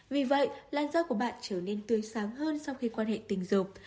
vì vậy lan da của bạn trở nên tươi sáng hơn sau khi quan hệ tình dục